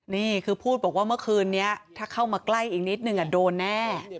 นี่คือพูดบอกว่าเมื่อคืนนี้ถ้าเข้ามาใกล้อีกนิดนึงโดนแน่